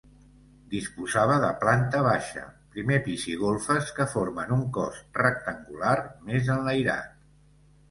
Disposava de planta baixa, primer pis i golfes, que formen un cos rectangular més enlairat.